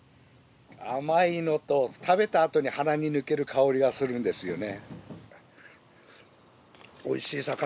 甘いのと食べたあとに鼻に抜ける香りがするんですよね。